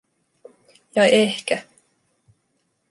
Ja ehkä...